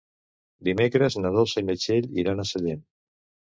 Dimecres na Dolça i na Txell iran a Sallent.